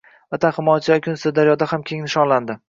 Vatan himoyachilari kuni Sirdaryoda ham keng nishonlandi